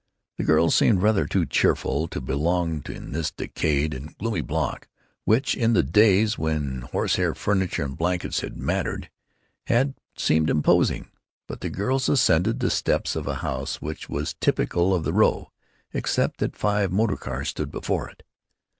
The girls seemed rather too cheerful to belong in this decayed and gloomy block, which, in the days when horsehair furniture and bankers had mattered, had seemed imposing. But the girls ascended the steps of a house which was typical of the row, except that five motor cars stood before it.